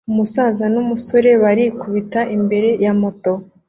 Umusaza numusore barikubita imbere ya moto